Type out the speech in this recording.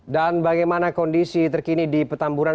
bagaimana kondisi terkini di petamburan